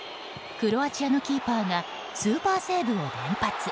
クロアチアのキーパーがスーパーセーブを連発。